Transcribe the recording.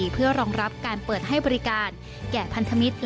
เพื่อรองรับการเปิดให้บริการแก่พันธมิตร